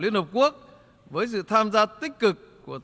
liên hợp quốc với sự tham gia tích cực của